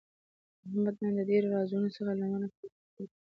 احمد نن د ډېرو رازونو څخه لمنه پورته کړه.